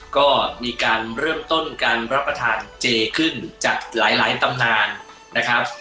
ก็มีการเริ่มต้นการรับประทานเจขึ้นจากหลายตำนานนะครับ